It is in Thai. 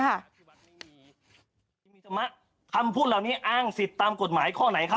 คำพูดเหล่านี้อ้างสิทธิ์ตามกฎหมายข้อไหนครับ